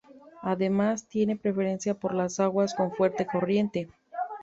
Además, tiene preferencia por las aguas con fuerte corriente.